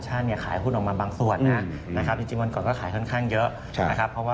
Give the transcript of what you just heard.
จริงวันก่อนก็ขายค่อนข้างเยอะครับ